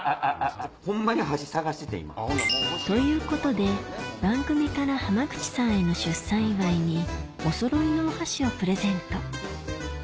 ホンマに箸探しててん今。ということで番組から濱口さんへの出産祝いにおそろいのお箸をプレゼント